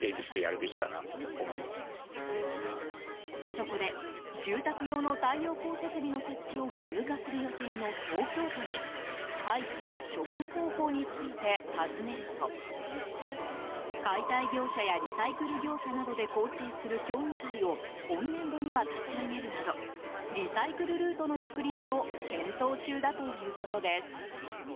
そこで、住宅用の太陽光設備の設置を義務化する予定の東京都に廃棄や処分方法について尋ねると解体業者やリサイクル業者などで構成する協議会を本年度には立ち上げるなどリサイクルルートの確立を検討中だということです。